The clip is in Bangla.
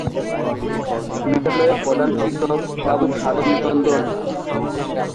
বিদ্যালয়ের প্রধান শিক্ষক বাবু সাধন চন্দ্র নাথ।